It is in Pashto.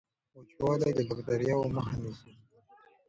وچوالی د باکټریاوو مخه نیسي.